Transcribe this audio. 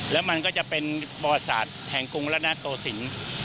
แล้วมันก็จะเป็นบริษัทแห่งกรุงรัฐนาโกศิลป์